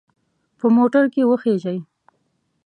په موټر کې وخیژئ.